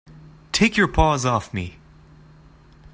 Take your paws off me!